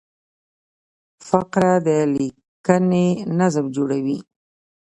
فقره د لیکني نظم جوړوي.